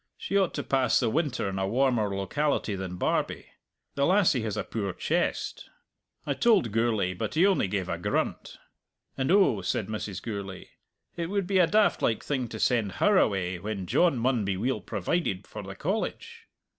She ought to pass the winter in a warmer locality than Barbie. The lassie has a poor chest! I told Gourlay, but he only gave a grunt. And 'oh,' said Mrs. Gourlay, 'it would be a daft like thing to send her away, when John maun be weel provided for the College.'